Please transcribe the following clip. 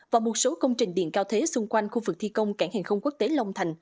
và một số công trình điện cao thế xung quanh khu vực thi công cảng hàng không quốc tế long thành